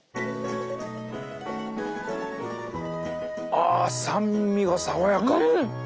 あ酸味が爽やか！